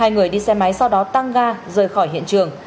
hai người đi xe máy sau đó tăng ga rời khỏi hiện trường